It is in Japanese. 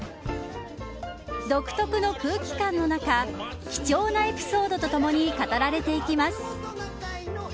独特の空気感の中貴重なエピソードとともに語られていきます。